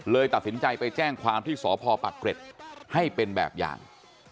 ตัดสินใจไปแจ้งความที่สพปักเกร็ดให้เป็นแบบอย่าง